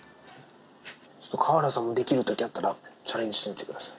川原さんもできるときあったら、チャレンジしてみてください。